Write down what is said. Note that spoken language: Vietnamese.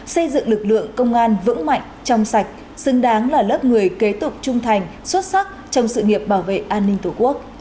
xây dựng lực lượng công an vững mạnh trong sạch xứng đáng là lớp người kế tục trung thành xuất sắc trong sự nghiệp bảo vệ an ninh tổ quốc